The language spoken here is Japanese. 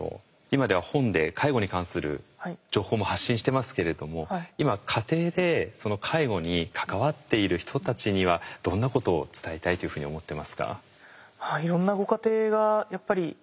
今では本で介護に関する情報も発信してますけれども今家庭で介護に関わっている人たちにはどんなことを伝えたいというふうに思ってますか？